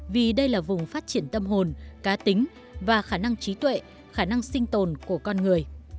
vì đây là vùng phát triển tâm hồn cá tính và khả năng trí tuệ khả năng sinh tồn của con người